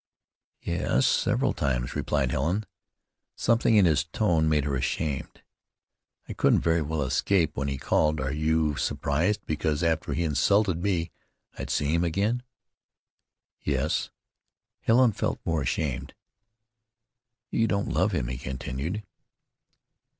"Yes, several times," replied Helen. Something in his tone made her ashamed. "I couldn't very well escape when he called. Are you surprised because after he insulted me I'd see him?" "Yes." Helen felt more ashamed. "You don't love him?" he continued.